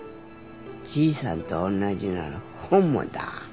じいさんと同じなら本望だ。